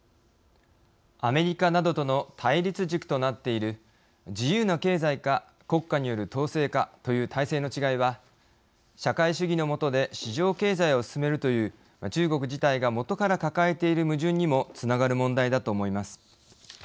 アメリカなどとの対立軸となっている自由な経済か国家による統制かという体制の違いは社会主義の下で市場経済を進めるという中国自体が元から抱えている矛盾にもつながる問題だと思います。